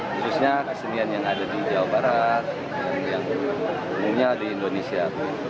khususnya kesenian yang ada di jawa barat yang umumnya di indonesia